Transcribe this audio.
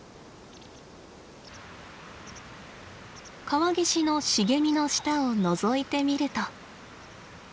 川岸の茂みの下をのぞいてみると。